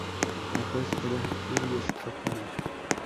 El juez era Julius Hoffman.